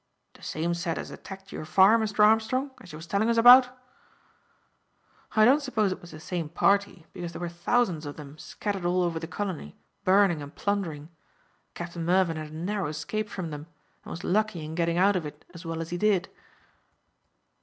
"The same set as attacked your farm, Mr. Armstrong, as you was telling us about?" "I don't suppose it was the same party, because there were thousands of them scattered all over the colony, burning and plundering. Captain Mervyn had a narrow escape from them, and was lucky in getting out of it as well as he did."